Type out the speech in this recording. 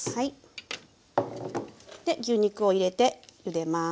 で牛肉を入れてゆでます。